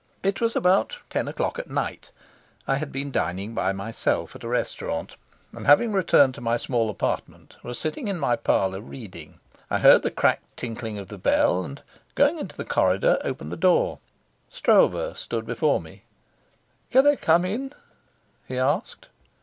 It was about ten o' clock at night; I had been dining by myself at a restaurant, and having returned to my small apartment, was sitting in my parlour, reading I heard the cracked tinkling of the bell, and, going into the corridor, opened the door. Stroeve stood before me. "Can I come in?" he asked.